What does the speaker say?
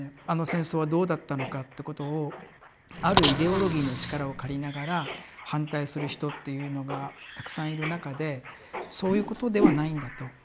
「あの戦争はどうだったのか」ってことをあるイデオロギーの力を借りながら反対する人っていうのがたくさんいる中でそういうことではないんだと。